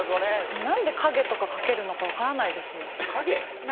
何で影とか描けるのか分からないですもん。